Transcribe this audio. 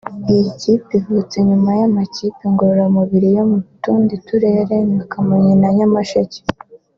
Iyi kipe ivutse nyuma y’amakipe ngororamubiri yo mu tundi turere nka Kamonyi na Nyamasheke